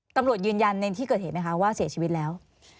ตำรวจยืนยันในที่เกิดเหตุไหมคะว่าเสียชีวิตแล้ว